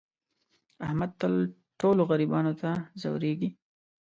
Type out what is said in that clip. احمد تل ټولو غریبانو ته ځورېږي.